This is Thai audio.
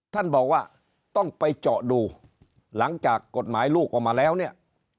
ท่านบอกว่าต้องไปเจาะดูหลังจากกฎหมายลูกออกมาแล้วเนี่ย